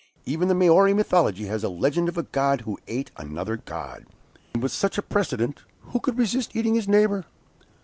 Even the Maori mythology has a legend of a god who ate another god; and with such a precedent, who could resist eating his neighbor?